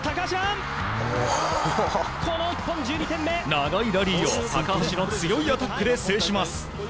長いラリーを高橋の強いアタックで制します。